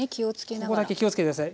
ここだけ気を付けて下さい。